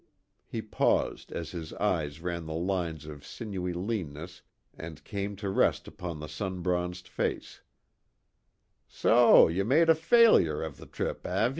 He paused as his eyes ran the lines of sinewy leanness and came to rest upon the sun bronzed face: "So ye made a failure av the trip, eh?